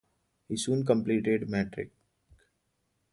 He soon completed matric.